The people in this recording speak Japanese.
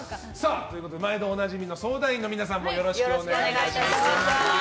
毎度おなじみの相談員の皆さんもよろしくお願いいたします。